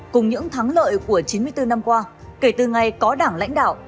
cùng những thắng lợi của chín mươi bốn năm qua kể từ ngày có đảng lãnh đạo